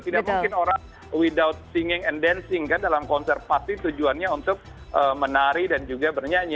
tidak mungkin orang widow thining and dancing kan dalam konser pasti tujuannya untuk menari dan juga bernyanyi